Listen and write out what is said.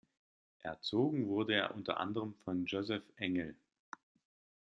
Erzogen wurde er unter anderem von Joseph Engel.